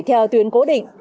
theo tuyến cố định